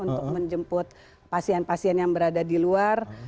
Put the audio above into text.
untuk menjemput pasien pasien yang berada di luar